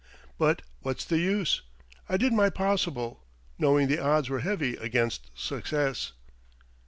But what's the use? I did my possible, knowing the odds were heavy against success."